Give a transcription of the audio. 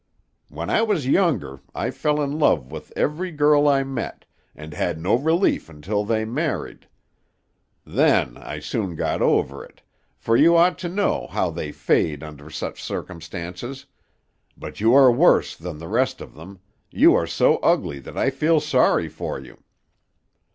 When I was younger I fell in love with every girl I met, and had no relief until they married; then I soon got over it, for you ought to know how they fade under such circumstances; but you are worse than the rest of them; you are so ugly that I feel sorry for you.